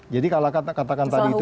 jadi kalau katakan tadi itu